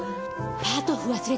パート譜忘れた。